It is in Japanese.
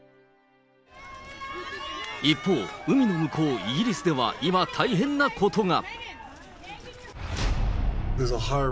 一方、海の向こう、イギリスでは、今、大変なことが。